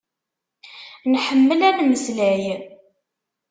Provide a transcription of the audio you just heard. Nḥemmel ad nmeslay.